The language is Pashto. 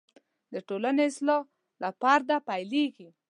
د ټولنې اصلاح له فرده پیلېږي.